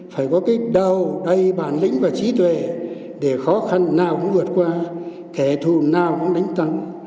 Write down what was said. phải có cái đâu đầy bản lĩnh và trí tuệ để khó khăn nào cũng vượt qua kẻ thù nào cũng đánh thắng